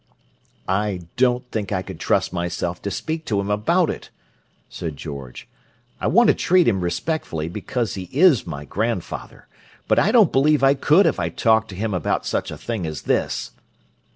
"I don't think I could trust myself to speak to him about it," said George. "I want to treat him respectfully, because he is my grandfather, but I don't believe I could if I talked to him about such a thing as this!"